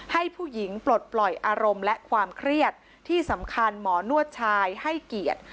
ให้ผู้หญิงปลดปล่อยอารมณ์และความเครียดที่สำคัญหมอนวดชายให้เกียรติ